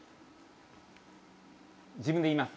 自分で言います。